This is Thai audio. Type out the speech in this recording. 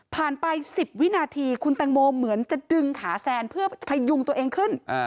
ไป๑๐วินาทีคุณแตงโมเหมือนจะดึงขาแซนเพื่อพยุงตัวเองขึ้น